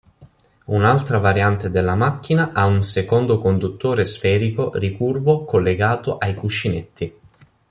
Un'altra variante della macchina ha un secondo conduttore sferico ricurvo collegato ai cuscinetti.